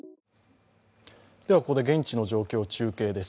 ここで現地の状況を中継です。